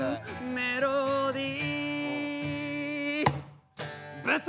「メロディー」「ブス！」